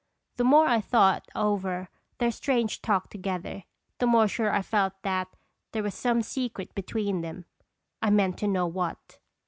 The more I thought over their strange talk together, the more sure I felt that there was some secret between them. I meant to know what.